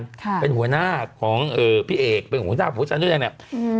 ค่ะเป็นหัวหน้าของเอ่อพี่เอกเป็นหัวหน้าหัวใจเสื้อแดงเนี้ยอืม